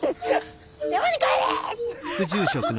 山に帰れ！